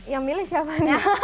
yang milih siapa nih